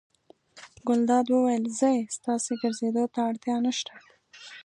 ګلداد وویل: ځئ ستاسې ګرځېدو ته اړتیا نه شته.